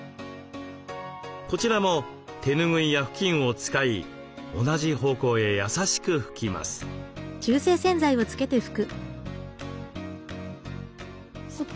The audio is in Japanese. こちらも手拭いや布巾を使い同じ方向へ優しく拭きます。